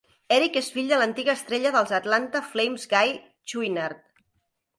Eric és fill de l'antiga estrella dels Atlanta Flames Guy Chouinard.